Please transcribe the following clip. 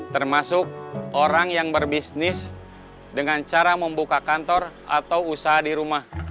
termasuk orang yang berbisnis dengan cara membuka kantor atau usaha di rumah